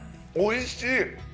おいしい。